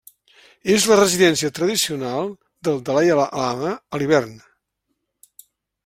És la residència tradicional del dalai-lama a l'hivern.